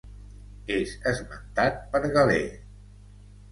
És esmentat per Galè.